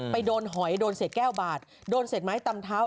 ไปโดนหอยโดนเศษแก้วบาดโดนเศษไม้ตำเท้า